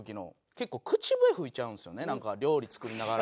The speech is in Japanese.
結構口笛吹いちゃうんですよねなんか料理作りながら。